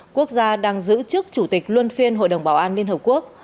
quốc gia đang giữ chức chủ tịch luân phiên hội đồng bảo an liên hợp quốc